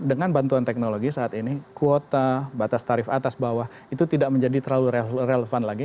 dengan bantuan teknologi saat ini kuota batas tarif atas bawah itu tidak menjadi terlalu relevan lagi